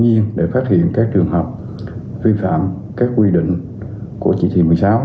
tất nhiên để phát hiện các trường hợp vi phạm các quy định của chí thị một mươi sáu